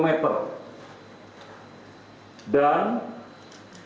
an invisibilisasi yang kelepasan dengan kemampuan